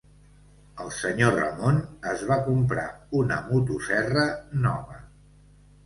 El senyor Ramon es va comprar una motoserra nova.